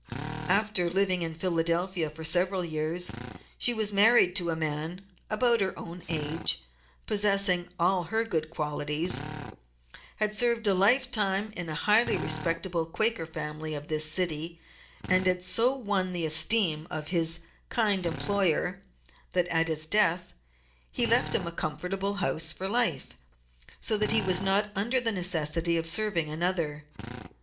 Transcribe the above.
After living in Philadelphia for several years, she was married to a man of about her own age, possessing all her good qualities; had served a life time in a highly respectable Quaker family of this city, and had so won the esteem of his kind employer that at his death he left him a comfortable house for life, so that he was not under the necessity of serving another.